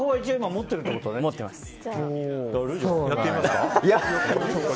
持ってます。